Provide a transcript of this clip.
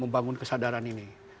membangun kesadaran ini